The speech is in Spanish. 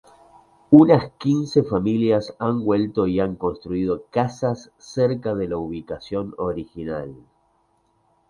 Unas quince familias han vuelto y han construido casas cerca de la ubicación original.